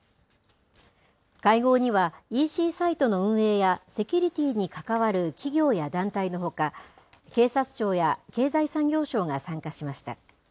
会合には、ＥＣサイトの運営やセキュリティーに関わる企業や団体のほか、警察庁や経済産業省が参加しました。